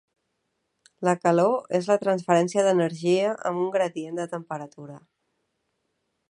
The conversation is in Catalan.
La calor és la transferència d'energia amb un gradient de temperatura.